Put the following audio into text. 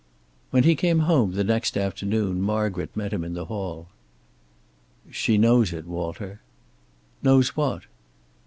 When he came home the next afternoon Margaret met him in the hall. "She knows it, Walter." "Knows what?"